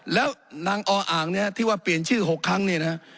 แล้วนางออ่างเนี่ยที่ว่าเปลี่ยนชื่อ๖ครั้งเนี่ยนะฮะ